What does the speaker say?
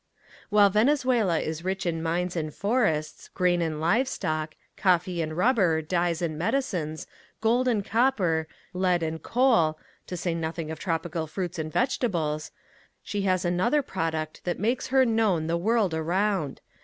While Venezuela is rich in mines and forests, grain and livestock, coffee and rubber, dyes and medicines, gold and copper, lead and coal, to say nothing of tropical fruits and vegetables, she has another product that makes her known the world around.